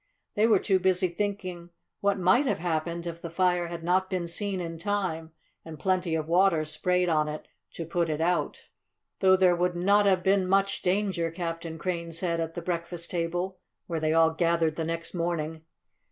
They were too busy thinking what might have happened if the fire had not been seen in time and plenty of water sprayed on it to put it out. "Though there would not have been much danger," Captain Crane said at the breakfast table, where they all gathered the next morning.